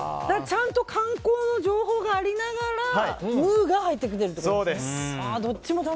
ちゃんと観光の情報がありながら「ムー」が入ってきてるってことですね。